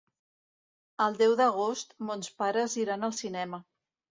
El deu d'agost mons pares iran al cinema.